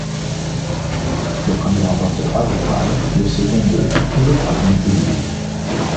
Le premier remporte trois étoiles, le second deux et le troisième une.